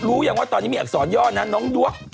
รู้ยังว่าตอนนี้มีอักษรย่อนะน้องด้วก